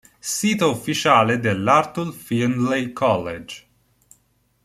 Sito ufficiale dell'Arthur Findlay College